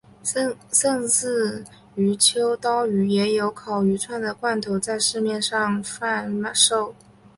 甚至于秋刀鱼也有烤鱼串的罐头在市面上贩售。